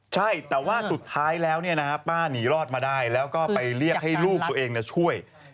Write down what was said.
ใช่แต่ว่าสุดท้ายแล้วป้าหนีรอดมาได้แล้วก็ไปเรียกให้ลูกตัวเองช่วย